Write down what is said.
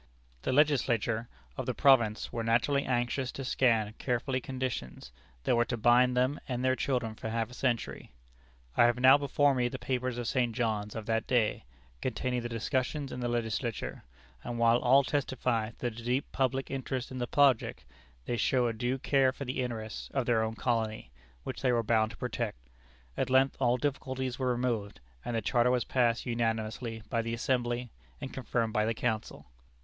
The Legislature of the province were naturally anxious to scan carefully conditions that were to bind them and their children for half a century. I have now before me the papers of St. John's of that day, containing the discussions in the Legislature; and while all testify to the deep public interest in the project, they show a due care for the interests of their own colony, which they were bound to protect. At length all difficulties were removed, and the charter was passed unanimously by the Assembly, and confirmed by the Council.